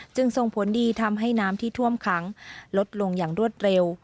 จึงส่งผลดีทำให้น้ำที่ท่วมขังลดลงอย่างรวดเร็ว